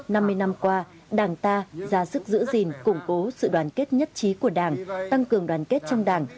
năm mươi năm qua đảng ta ra sức giữ gìn củng cố sự đoàn kết nhất trí của đảng tăng cường đoàn kết trong đảng